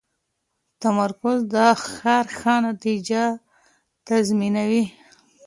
تمرکز د کار ښه نتیجه تضمینوي.